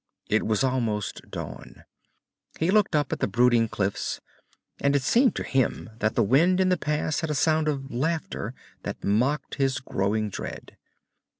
It was almost dawn. He looked up at the brooding cliffs, and it seemed to him that the wind in the pass had a sound of laughter that mocked his growing dread.